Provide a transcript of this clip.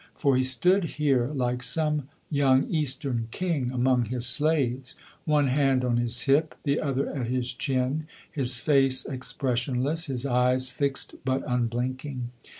For he stood here like some young Eastern king among his slaves, one hand on his hip, the other at his chin, his face expressionless, his eyes fixed but unblinking.